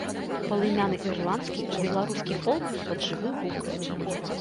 Палымяны ірландскі і беларускі фолк пад жывы гук.